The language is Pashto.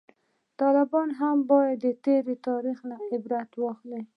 طالبان هم باید د تیر تاریخ نه عبرت واخلي